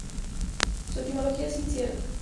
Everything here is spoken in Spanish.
Su etimología es incierta.